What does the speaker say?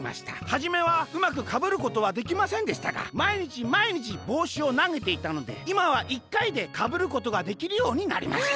はじめはうまくかぶることはできませんでしたがまいにちまいにちぼうしをなげていたのでいまは１かいでかぶることができるようになりました」。